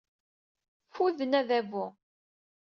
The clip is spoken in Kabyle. Ffuden adabu.